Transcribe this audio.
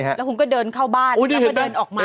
แล้วคุณก็เดินเข้าบ้านแล้วก็เดินออกมา